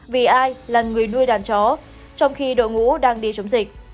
vì ai là người nuôi đàn chó trong khi đội ngũ đang đi chống dịch